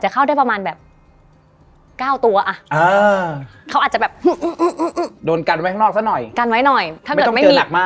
กันไว้หน่อยไม่ต้องเจอหนักมาก